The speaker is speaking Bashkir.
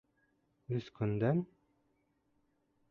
Өс көндән?